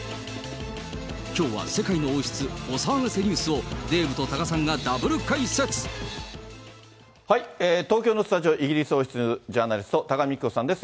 きょうは世界の王室お騒がせニュースをデーブと多賀さんがダブル東京のスタジオ、イギリス王室ジャーナリスト、多賀幹子さんです。